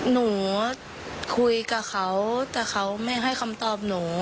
หนูคุยกับเขาแต่เขาไม่ให้คำตอบหนู